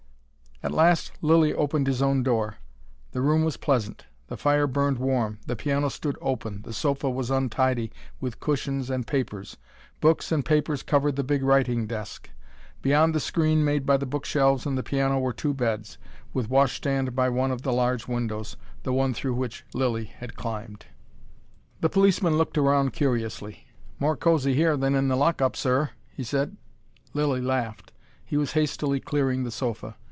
At last Lilly opened his own door. The room was pleasant. The fire burned warm, the piano stood open, the sofa was untidy with cushions and papers. Books and papers covered the big writing desk. Beyond the screen made by the bookshelves and the piano were two beds, with washstand by one of the large windows, the one through which Lilly had climbed. The policeman looked round curiously. "More cosy here than in the lock up, sir!" he said. Lilly laughed. He was hastily clearing the sofa.